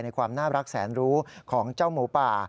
ความน่ารักแสนรู้ของเจ้าหมูป่า